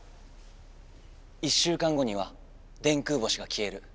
１週間後には電空星がきえる。